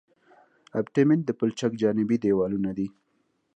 ابټمنټ د پلچک جانبي دیوالونه دي